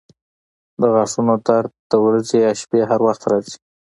د غاښونو درد د ورځې یا شپې هر وخت راځي.